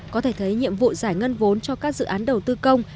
có thể thấy nhiệm vụ giải ngân vốn cho các dự án đầu tư công